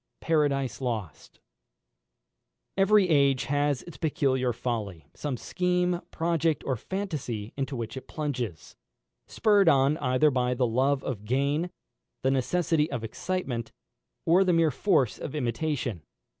Paradise Lost. [Illustration: E] Every age has its peculiar folly; some scheme, project, or phantasy into which it plunges, spurred on either by the love of gain, the necessity of excitement, or the mere force of imitation.